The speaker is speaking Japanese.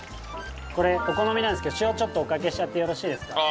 これお好みなんですけど塩ちょっとおかけしちゃってよろしいですか？